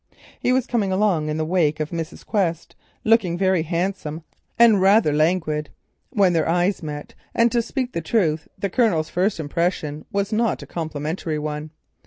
He was coming along in the wake of Mrs. Quest, looking very handsome and rather languid, when their eyes met, and to speak the truth, the Colonel's first impression was not a complimentary one.